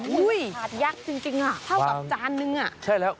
ถาดยักษ์จริงเท่ากับจานหนึ่ง